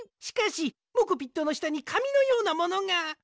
しかしモコピットのしたにかみのようなものが！